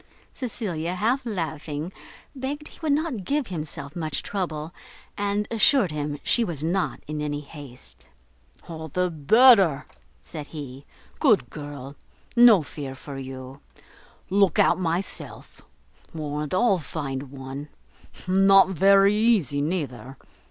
Cecilia, half laughing, begged he would not give himself much trouble, and assured him she was not in any haste. "All the better," said he, "good girl; no fear for you: look out myself; warrant I'll find one. Not very easy, neither!